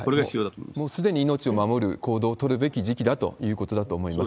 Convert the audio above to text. もうすでに命を守る行動を取るべき時期だということだと思います。